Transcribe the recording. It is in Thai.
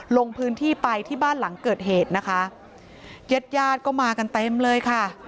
ลงพื้นที่ไปที่บ้านหลังเกิดเหตุนะคะญาติญาติก็มากันเต็มเลยค่ะ